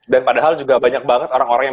dan padahal juga banyak banget orang orang yang